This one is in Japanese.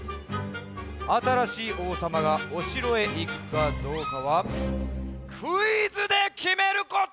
あたらしいおうさまがおしろへいくかどうかはクイズできめること！